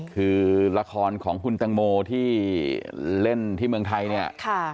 คือละครของคุณตังโมที่เล่นที่เมืองไทยเนี่ย